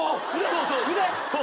そうそう。